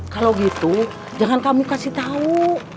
kalau gitu jangan kamu kasih tahu